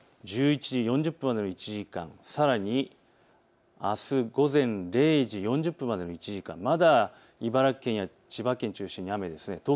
１１時４０分までの１時間、さらにあす午前０時４０分までの１時間、茨城県中心に雨ですね。